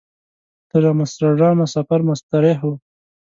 تر امسټرډامه سفر مستریح و.